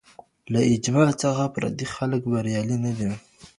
له اجتماع څخه پردي خلګ بريالي نه دي.